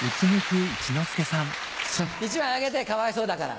１枚あげてかわいそうだから。